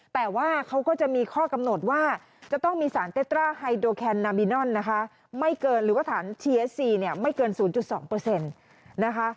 แต่ว่าเขาก็จะมีข้อกำหนดว่าจะต้องมีสารเต็ตร้าไฮโดแคนนามินอนนะคะไม่เกินหรือว่าสารทีเอสซีเนี่ยไม่เกินสูงจุดสองเปอร์เซ็นต์นะคะ